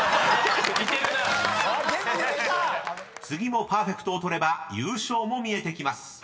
［次もパーフェクトを取れば優勝も見えてきます］